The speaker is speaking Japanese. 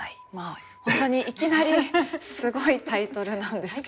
本当にいきなりすごいタイトルなんですけど。